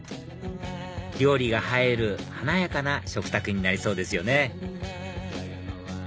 料理が映える華やかな食卓になりそうですよね